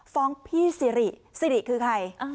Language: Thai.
ฟ้องพี่สิริสิริคือใคร